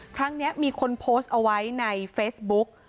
ครั้งนี้มีคนโพสต์เอาไว้ในเฟซบุ๊ก